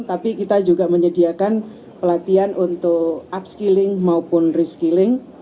tapi kita juga menyediakan pelatihan untuk upskilling maupun reskilling